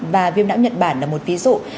và viêm não nhật bản là một ví dụ